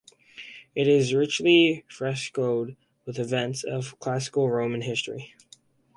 It is richly frescoed with events of classical Roman history.